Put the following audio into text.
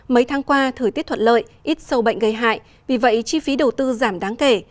mấy tháng qua thời tiết thuận lợi ít sâu bệnh gây hại vì vậy chi phí đầu tư giảm đáng kể